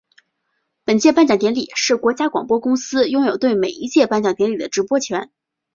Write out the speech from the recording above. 本届颁奖典礼是国家广播公司拥有对每一届颁奖典礼的直播权。